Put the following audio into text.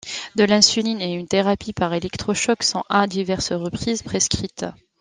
De l'insuline et une thérapie par électrochocs sont à diverses reprises prescrites.